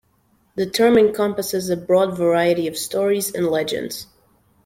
The term encompasses a broad variety of stories and legends.